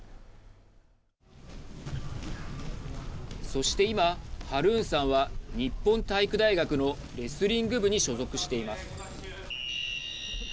そして今、ハルーンさんは日本体育大学のレスリング部に所属しています。